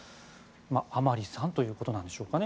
甘利さんということなんでしょうかね。